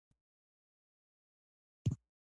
کچالو د یوې کورنۍ خوشبختي ده